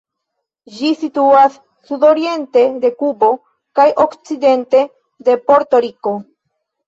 Ĝi situas sudoriente de Kubo kaj okcidente de Puerto-Riko.